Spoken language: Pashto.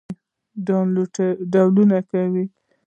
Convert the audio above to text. او انسان به ئې ځان ته ډاونلوډ کوي -